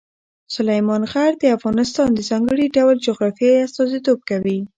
سلیمان غر د افغانستان د ځانګړي ډول جغرافیې استازیتوب کوي.